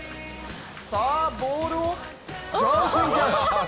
さあボールをジャンピングキャッチ。